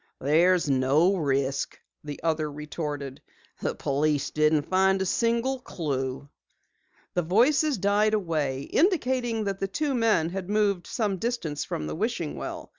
"There's no risk," the other retorted. "The police didn't find a single clue." The voices died away, indicating that the two men had moved some distance from the wishing well.